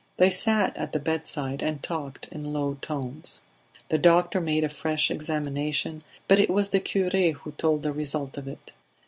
They sat at the bedside and talked in low tones. The doctor made a fresh examination, but it was the cure who told the result of it.